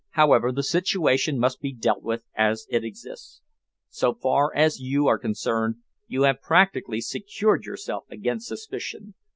However, the situation must be dealt with as it exists. So far as you are concerned you have practically secured yourself against suspicion.